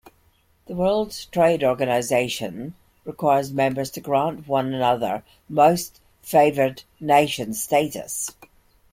The World Trade Organization requires members to grant one another "most favored nation" status.